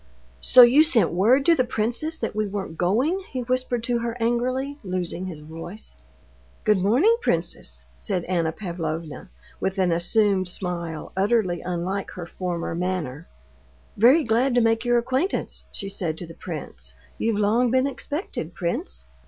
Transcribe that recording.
"So you sent word to the princess that we weren't going!" he whispered to her angrily, losing his voice. "Good morning, princess," said Anna Pavlovna, with an assumed smile utterly unlike her former manner. "Very glad to make your acquaintance," she said to the prince. "You've long been expected, prince."